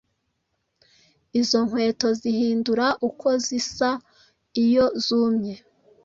Izo nkweto zihindura uko zisa iyo zumye